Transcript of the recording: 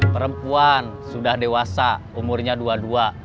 perempuan sudah dewasa umurnya dua puluh dua